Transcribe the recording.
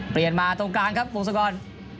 เปลี่ยนตรงกลางครับปุงสะกอน